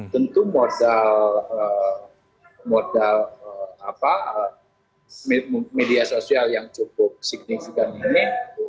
tentu modal media sosial yang cukup signifikan ini